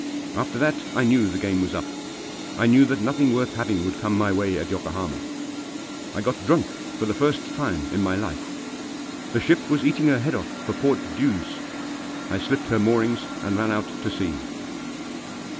After that I knew the game was up. I knew that nothing worth having would come my way at Yokohama. I got drunk for the first time in my life. The ship was eating her head off for port dues. I slipped her moorings and ran out to sea.